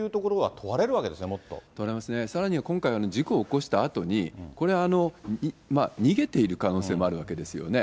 問われますね、さらには今回は事故を起こしたあとに、これ、逃げている可能性もあるわけですよね。